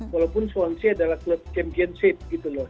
walaupun suwansi adalah klub championship gitu loh